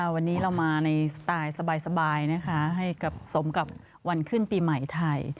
วันนี้เรามาในสไตล์สบายนะคะให้สมกับวันขึ้นปีใหม่ไทย